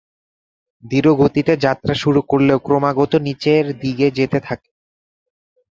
ধীরগতিতে যাত্রা শুরু করলেও ক্রমাগত নিচেরদিকে যেতে থাকে।